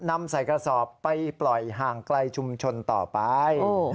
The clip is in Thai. นำใส่กระสอบไปปล่อยห่างไกลชุมชนต่อไป